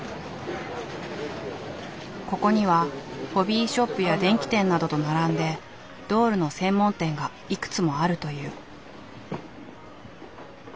ここにはホビーショップや電器店などと並んでドールの専門店がいくつもあるという。